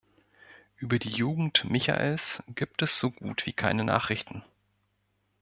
Über die Jugend Michaels gibt es so gut wie keine Nachrichten.